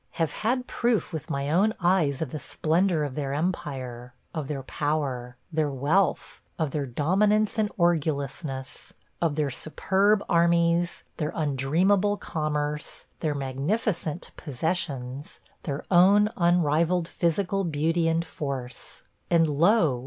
Have had proof with my own eyes of the splendor of their empire, of their power, their wealth, of their dominance and orgulousness, of their superb armies, their undreamable commerce, their magnificent possessions, their own unrivalled physical beauty and force – and lo!